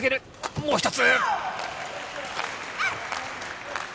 もう一つ！